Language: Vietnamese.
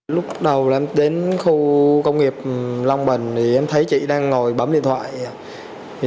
lúc đầu em đến khu công nghiệp long bình thì em thấy chị đang ngồi bấm điện thoại